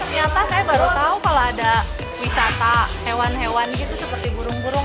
ternyata saya baru tahu kalau ada wisata hewan hewan gitu seperti burung burung